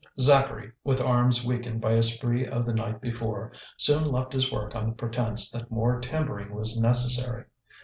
Zacharie, with arms weakened by a spree of the night before, soon left his work on the pretence that more timbering was necessary.